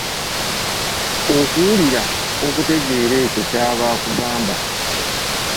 Okuwulira okw’okutegeera ekyo kya bakugamba.